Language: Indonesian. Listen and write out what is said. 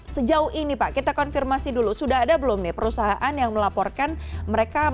sejauh ini pak kita konfirmasi dulu sudah ada belum nih perusahaan yang melaporkan mereka